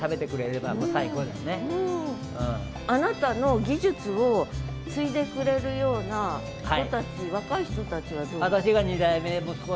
あなたの技術を継いでくれるような人たち若い人たちはどう？